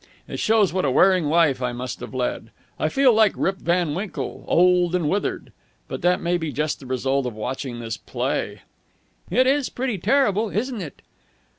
It shows what a wearing life I must have led. I feel like Rip van Winkle. Old and withered. But that may be just the result of watching this play." "It is pretty terrible, isn't it?"